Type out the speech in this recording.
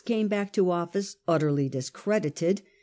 YI, came back to office utterly discredited.